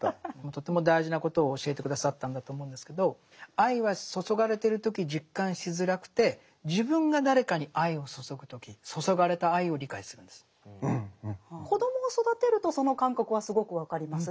とても大事なことを教えて下さったんだと思うんですけど愛は注がれてる時実感しづらくて自分が子供を育てるとその感覚はすごく分かります。